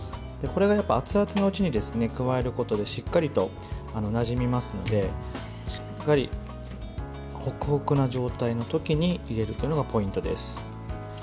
熱々のうちに加えることでしっかりとなじみますのでしっかりホクホクな状態の時に入れるというのがポイントです。